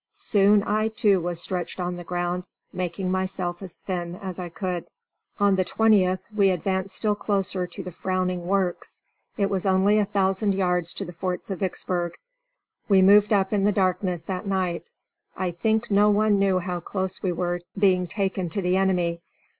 Soon I, too, was stretched on the ground, making myself as thin as I could. On the 20th we advanced still closer to the frowning works. It was only a thousand yards to the forts of Vicksburg. We moved up in the darkness that night. I think no one knew how close we were being taken to the enemy.